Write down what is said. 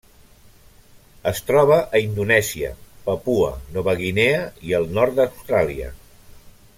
Es troba a Indonèsia, Papua Nova Guinea i el nord d'Austràlia.